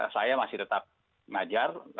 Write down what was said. saya masih tetap mengajar